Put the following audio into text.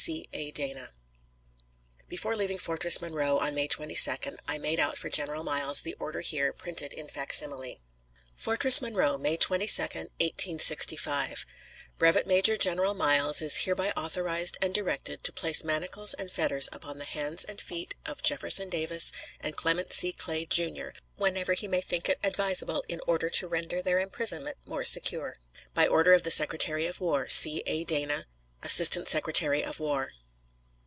C. A. DANA. Before leaving Fortress Monroe, on May 22d, I made out for General Miles the order here printed in facsimile: [Illustration: Fortress Monroe May 22, 1865. Brevet Major General Miles is hereby authorized and directed to place manacles and fetters upon the hands and feet of Jefferson Davis and Clement C. Clay Jr, whenever he may think it advisable in order to render their imprisonment more secure. By order of the Secretary of War. C. A. Dana. A. Secretary of War.